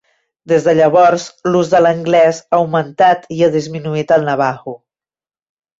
Des de llavors, l'ús de l'anglès ha augmentat i ha disminuït el navaho.